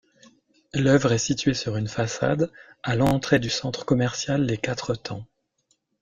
L'œuvre est située sur une façade à l'entrée du centre commercial Les Quatre Temps.